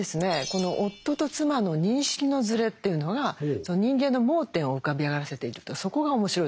この夫と妻の認識のずれというのが人間の盲点を浮かび上がらせているとそこが面白いと思います。